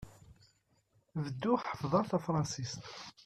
Bedduɣ ḥefḍeɣ tafṛansist.